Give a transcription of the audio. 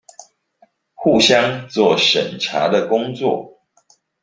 互相做審查的工作